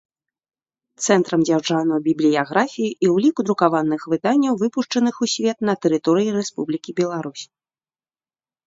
Цэнтрам дзяржаўнай бiблiяграфii i ўлiку друкаваных выданняў, выпушчаных у свет на тэрыторыi Рэспублiкi Беларусь.